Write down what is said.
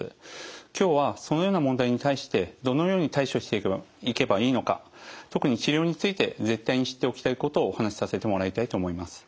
今日はそのような問題に対してどのように対処していけばいいのか特に治療について絶対に知っておきたいことをお話しさせてもらいたいと思います。